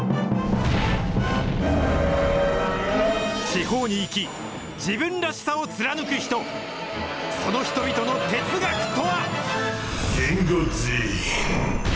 地方に生き、自分らしさを貫く人、その人々の哲学とは。